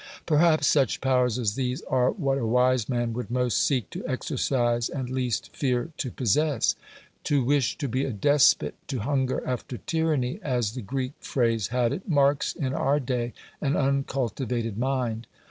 Perhaps such powers as these are what a wise man would most seek to exercise and least fear to possess. To wish to be a despot, "to hunger after tyranny," as the Greek phrase had it, marks in our day an uncultivated mind.